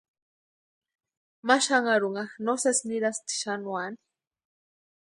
Ma xanharunha no sési nirasti xanuani.